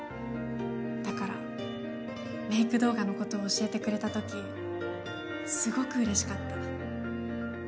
だからメイク動画のことを教えてくれた時すごくうれしかった。